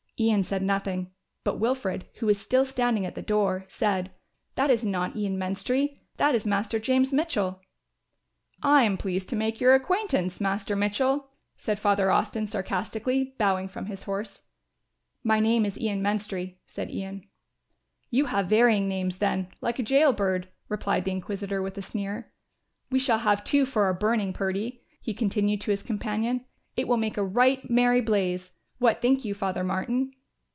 Ian said nothing, but Wilfred, who was still standing at the door, said, "That is not Ian Menstrie, that is Master James Mitchell." "I am pleased to make your acquaintance, Master Mitchell," said Father Austin sarcastically, bowing from his horse. "My name is Ian Menstrie," said Ian. "You have varying names then, like a gaol bird," replied the inquisitor with a sneer. "We shall have two for our burning, perdy!" he continued to his companion. "It will make a right merrie blaze. What think you, Father Martin?"